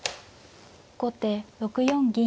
後手６四銀。